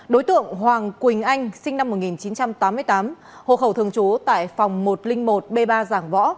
đối tượng hoàng quỳnh anh sinh năm một nghìn chín trăm tám mươi tám hộ khẩu thường trú tại phòng một trăm linh một b ba giảng võ